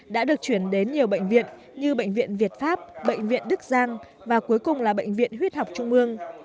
đã được chuyển đến nhiều bệnh viện như bệnh viện việt pháp bệnh viện đức giang và cuối cùng là bệnh viện huyết học trung ương